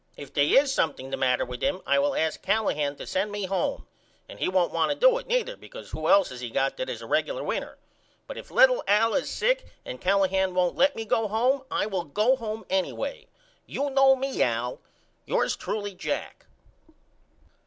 If they is something the matter with him I will ask Callahan to send me home and he won't want to do it neither because who else has he got that is a regular winner. But if little Al is sick and Callahan won't let me go home I will go home anyway. You know me Al. Yours truly, JACK.